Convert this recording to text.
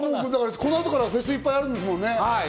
この後からフェスいっぱいあるんですもんね。